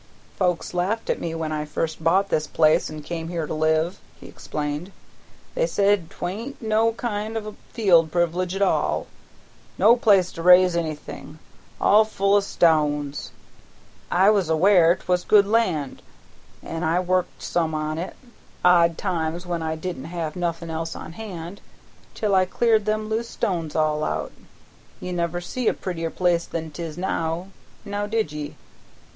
"Folks laughed at me when I first bought this place an' come here to live," he explained. "They said 'twa'n't no kind of a field privilege at all; no place to raise anything, all full o' stones. I was aware 'twas good land, an' I worked some on it odd times when I didn't have nothin' else on hand till I cleared them loose stones all out. You never see a prettier piece than 'tis now; now did ye?